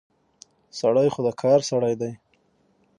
سړی خو د کار سړی دی.